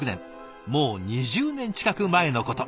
もう２０年近く前のこと。